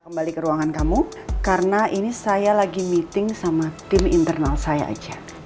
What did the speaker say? kembali ke ruangan kamu karena ini saya lagi meeting sama tim internal saya aja